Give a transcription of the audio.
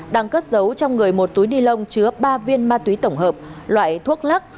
đang cất giấu trong người một túi nilon chứa ba viên ma túy tổng hợp loại thuốc lắc